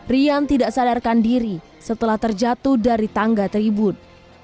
rian tidak sadarkan diri setelah terjatuh dari tangga tribun